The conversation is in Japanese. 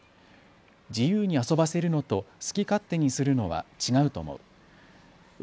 自由に遊ばせるのと好き勝手にするのは違うと思う。